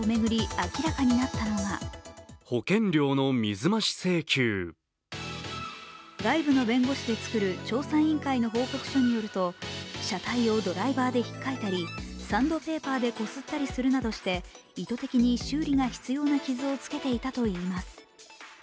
明らかになったのが外部の弁護士で作る調査委員会の報告書によりますと車体をドライバーでひっかいたりサンドペーパーでこすったりするなどして意図的に修理が必要な傷をつけていたといいます。